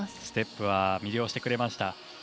ステップは魅了してくれました。